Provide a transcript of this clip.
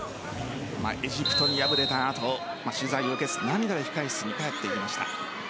エジプトに敗れた後取材を受けず涙で控室に帰ってきました。